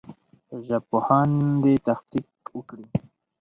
ژبپوهان دي تحقیق وکړي.